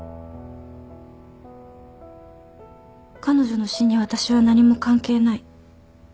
彼女の死に私は何も関係ない。